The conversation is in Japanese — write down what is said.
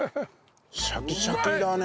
シャキシャキだね。